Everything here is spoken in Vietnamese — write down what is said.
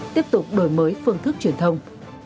tiếp tục đổi mới phương thức truyền thông